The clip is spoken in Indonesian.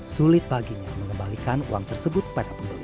sulit baginya mengembalikan uang tersebut pada pembeli